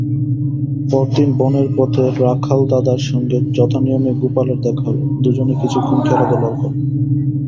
পরদিন বনের পথে রাখাল-দাদার সঙ্গে যথানিয়মে গোপালের দেখা হল, দুজনে কিছুক্ষণ খেলাধুলাও করল।